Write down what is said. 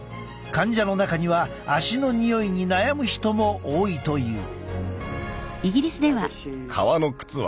患者の中には足のにおいに悩む人も多いという。